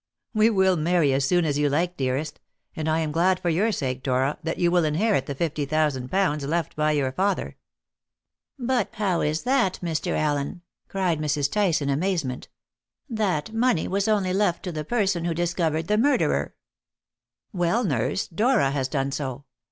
"We will marry as soon as you like, dearest. And I am glad for your sake, Dora, that you will inherit the fifty thousand pounds left by your father." "But how is that, Mr. Allen?" cried Mrs. Tice in amazement. "That money was only left to the person who discovered the murderer." "Well, nurse, Dora has done so.